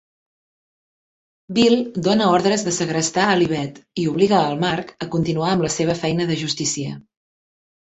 Bill dóna ordres de segrestar a l'Yvette i obliga al Mark a continuar amb la seva feina de justicier.